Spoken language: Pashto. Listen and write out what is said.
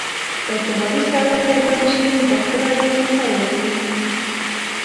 که اعتباري سړی پیدا نه شي نو پخپله دې سفر وکړي.